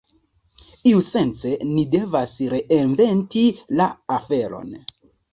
Iusence ni devas reinventi la aferon.